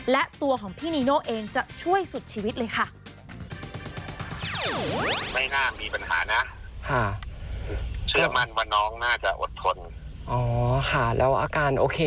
และตัวของพี่นีโน่เองจะช่วยสุดชีวิตเลยค่ะ